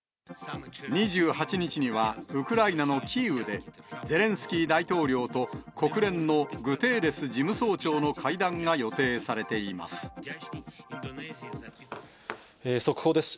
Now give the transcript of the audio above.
２８日には、ウクライナのキーウで、ゼレンスキー大統領と国連のグテーレス事務総長の会談が予定され速報です。